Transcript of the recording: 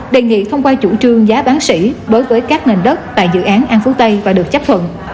đề nghị thông qua chủ trương giá bán xỉ đối với các nền đất tại dự án an phú tây và được chấp thuận